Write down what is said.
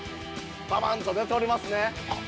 ◆ばばんと出ておりますね。